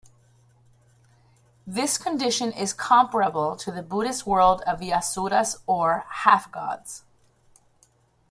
This condition is comparable to the Buddhist world of the Asuras or 'half-gods'.